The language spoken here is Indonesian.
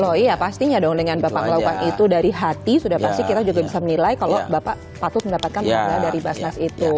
oh iya pastinya dong dengan bapak melakukan itu dari hati sudah pasti kita juga bisa menilai kalau bapak patut mendapatkan tangga dari basnas itu